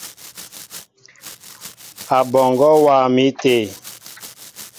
Aɓɔŋgɔ wá mi té.